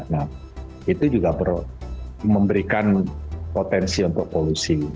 nah itu juga memberikan potensi untuk polusi